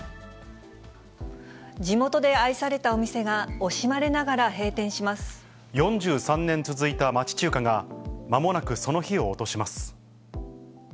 地元で愛されたお店が、４３年続いた町中華が、まもなくその火を落とします。